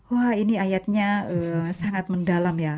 wah ini ayatnya sangat mendalam ya